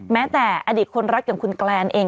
แม้แต่อดีตคนรักอย่างคุณแกลนเอง